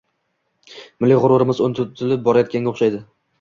Milliy g‘ururimiz unutilib borayotganga o‘xshaydi.